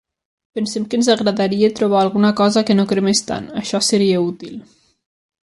Pensem que ens agradaria trobar alguna cosa que no cremés tant, això seria útil.